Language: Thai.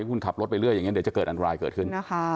คุณขับรถไปเรื่อยเดี๋ยวจะเกิดอันตรายเกิดขึ้น